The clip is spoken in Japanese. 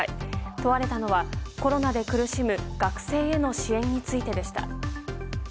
問われたのはコロナで苦しむ学生への支援についてでした。